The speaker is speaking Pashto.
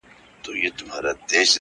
چیري چي زور وي د جاهلانو -